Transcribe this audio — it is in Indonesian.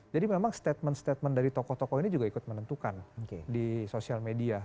jadi memang statement statement dari tokoh tokoh ini juga ikut menentukan di sosial media